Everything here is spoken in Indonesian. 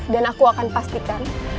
dan aku akan pastikan